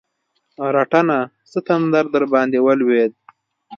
رټنه؛ څه تندر درباندې ولوېد؟!